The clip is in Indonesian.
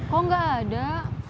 kok gak ada